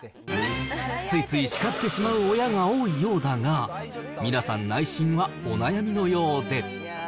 ついつい叱ってしまう親が多いようだが、皆さん、内心はお悩みのようで。